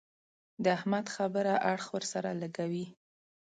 د احمد خبره اړخ ور سره لګوي.